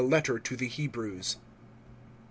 LETTER TO THE HEBREWS. I.